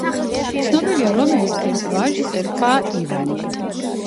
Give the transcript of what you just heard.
ცნობილია, რომ ერთ-ერთ ვაჟს ერქვა ივანი.